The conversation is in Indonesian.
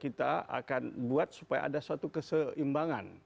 kita akan buat supaya ada suatu keseimbangan